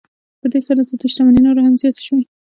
په دې سره د دوی شتمنۍ نورې هم زیاتې شوې